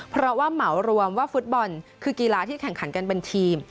เพราะว่าเหมารวมว่าฟุตบอลคือกีฬาที่แข่งขันกันเป็นทีม